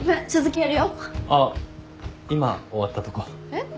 えっ？